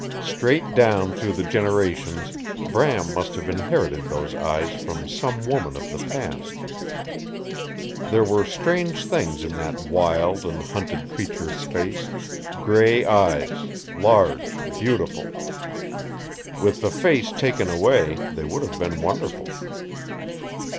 Straight down through the generations Bram must have inherited those eyes from some woman of the past. They were strange things in that wild and hunted creature's face gray eyes, large, beautiful. With the face taken away they would have been wonderful.